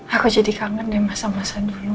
aku jadi kangen dengan masa masa dulu